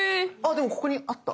でもここにあった。